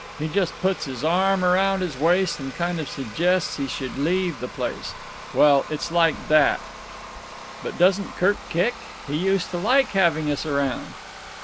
He just puts his arm round his waist and kind of suggests he should leave the place. Well, it's like that." "But doesn't Kirk kick? He used to like having us around."